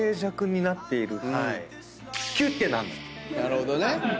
なるほどね。